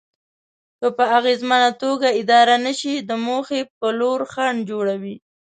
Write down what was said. که په اغېزمنه توګه اداره نشي د موخې په لور خنډ جوړوي.